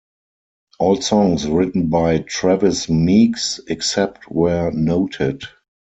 All songs written by Travis Meeks except where noted.